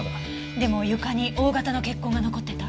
でも床にＯ型の血痕が残ってた。